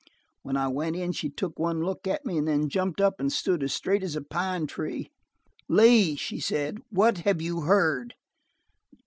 "When I went in she took one look at me and then jumped up and stood as straight as a pine tree. "'Lee,' she said, 'what have you heard?'"